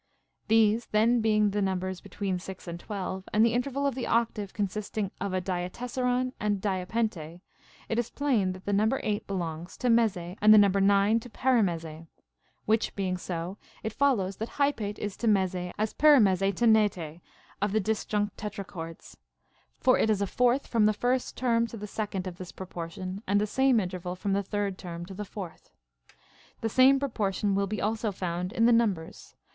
These then being the numbers between 6 and 12, and the interval of the octa\'e consisting of a diatessaron and diapente, it is plain that the number 8 belongs to mese, and the number 9 to paramese ; which being so, it follows that hypate is to mese as paramese to nete of the disjunct tetrachords ; for it is a fourth from the first term to the second of this propor tion, and the same interval from the third term to the fourth. The same proportion will be also found in the num bers.